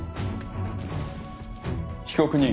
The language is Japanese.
被告人。